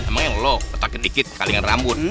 emang yang lo otak kedikit kali dengan rambut